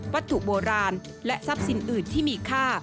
วัตถุโบราณและทรัพย์สินอื่นที่มีค่า